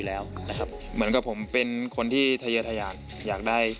แล้วก็กำหนดทิศทางของวงการฟุตบอลในอนาคต